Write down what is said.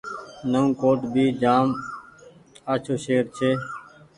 نئون ڪوٽ ڀي تمآم آڇو شهر ڇي۔